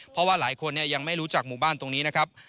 เพราะว่าหลายคนยังไม่รู้จักหมู่บ้านตรงนี้นะครับ